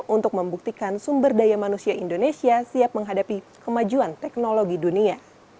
untuk membuktikan sumber daya manusia indonesia siap menghadapi kemajuan teknologi dunia